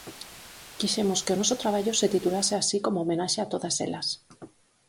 Quixemos que o noso traballo se titulase así como homenaxe a todas elas.